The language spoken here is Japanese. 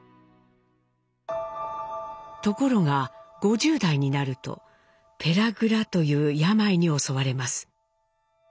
ところが５０代になるとペラグラという病に襲われます。